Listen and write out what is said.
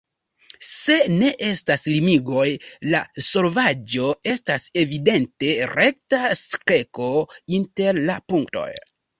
Se ne estas limigoj, la solvaĵo estas evidente rekta streko inter la punktoj.